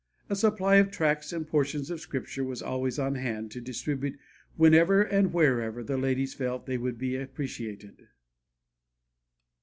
A supply of tracts and portions of Scripture was always on hand, to distribute whenever and wherever the ladies felt they would be appreciated.